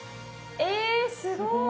えすごい！